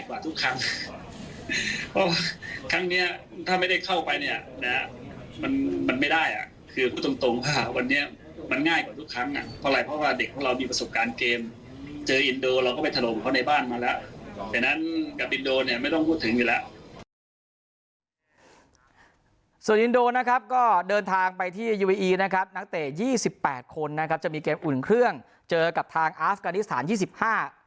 กว่าทุกครั้งครั้งเนี้ยถ้าไม่ได้เข้าไปเนี้ยมันมันไม่ได้อ่ะคือพูดตรงว่าวันนี้มันง่ายกว่าทุกครั้งอ่ะเพราะอะไรเพราะว่าเด็กของเรามีประสบการณ์เกมเจออินโดเราก็ไปถล่มเขาในบ้านมาแล้วแต่นั้นกับอินโดเนี้ยไม่ต้องพูดถึงอยู่แล้วส่วนอินโดนะครับก็เดินทางไปที่ยูวีอีนะครับนักเตะยี่สิบแปดคนนะ